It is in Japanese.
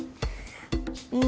うん。